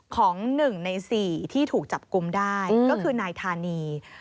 ของหนึ่งในสี่ที่ถูกจับกุมได้ก็คือนายทานี